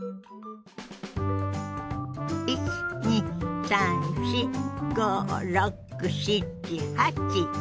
１２３４５６７８。